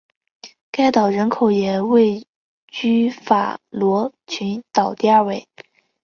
该岛人口也位居法罗群岛第二位。